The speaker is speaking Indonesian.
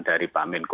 dari pak menko